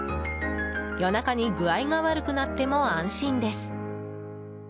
夜中に具合が悪くなっても安心です。